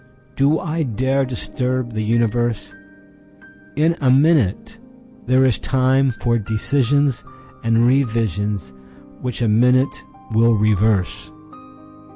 Do I dareDisturb the universe? In a minute there is timeFor decisions and revisions which a minute will reverse.